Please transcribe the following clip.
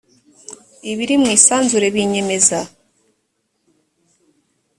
ibiri mu isanzure binyemeza